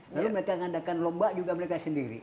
lalu mereka mengadakan lomba juga mereka sendiri